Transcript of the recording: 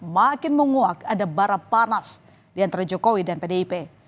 makin menguak ada bara panas di antara jokowi dan pdip